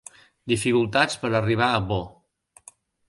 Dificultats per arribar a Bo.